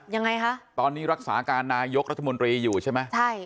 ยังไงคะตอนนี้รักษาการนายกรัฐมนตรีอยู่ใช่ไหมใช่